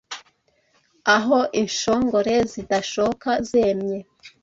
Aho inshongore zidashoka zemye